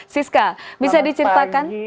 siska bisa diceritakan